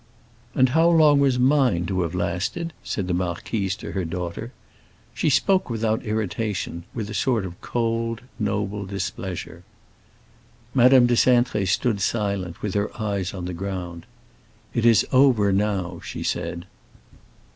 "And how long was mine to have lasted?" said the marquise to her daughter. She spoke without irritation; with a sort of cold, noble displeasure. Madame de Cintré stood silent, with her eyes on the ground. "It is over now," she said.